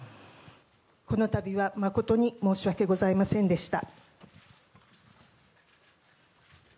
この度は誠に申し訳ございませんでした。